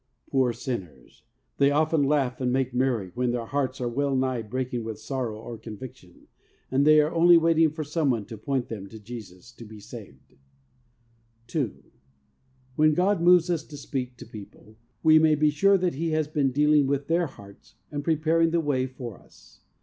Poor sinners ! They often laugh and make merry when their hearts are well nigh breaking with sorrow or conviction, and they are only waiting for some one to point them to Jesus to be saved. 70 THE WAY OF HOLINESS 2. When God moves us to speak to people, we may be sure that He has been dealing with their hearts and preparing the way for us.